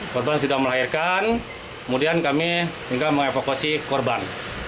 korban sudah melahirkan kemudian kami juga mengevakuasi korban